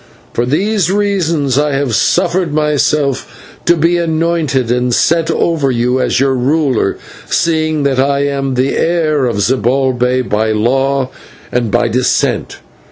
For these reasons I have suffered myself to be anointed and set over you as your ruler, seeing that I am the heir of Zibalbay by law and by descent.